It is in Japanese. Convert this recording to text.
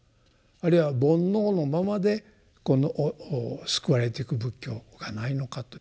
あるいは煩悩のままでこの救われていく仏教がないのかと。